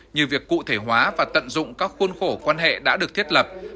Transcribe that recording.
như việc cụ thể hóa và tận dụng các khuôn khổ quan hệ đã được thiết lập